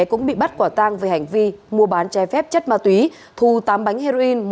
cũng bị bắt quả tang về hành vi mua bán trái phép chất ma túy thu tám bánh heroin